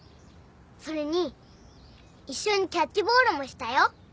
それに一緒にキャッチボールもしたよ。